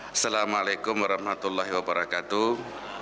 assalamu'alaikum warahmatullahi wabarakatuh